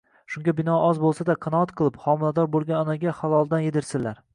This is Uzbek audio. Shunga binoan, oz bo‘lsa-da, qanoat qilib, homilador bo‘lgan onaga haloldan yedirsinlar